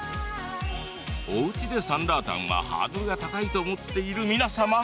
おうちでサンラータンはハードルが高いと思っている皆様